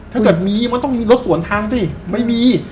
ถ้าเกิดมีมันต้องมีรถสวนทางสิไม่มี